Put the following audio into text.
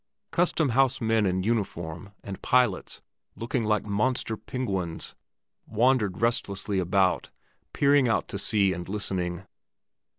Custom house men in uniform, and pilots, looking like monster penguins, wandered restlessly about, peering out to sea and listening.